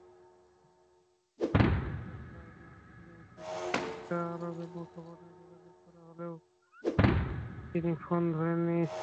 Continental liner এজেন্সিসের মালিক শাহ আলমের মুঠোফোনে যোগাযোগ করা হলেও তিনি ফোন ধরেননি।